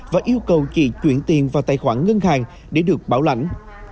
và yêu cầu chị chuyển tiền vào tài khoản ngân hàng để được bảo lãnh